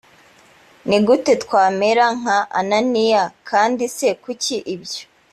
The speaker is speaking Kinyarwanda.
ni gute twamera nka ananiya kandi se kuki ibyo